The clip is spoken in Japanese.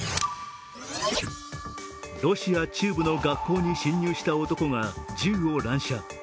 ロシア中部の学校に侵入した男が銃を乱射。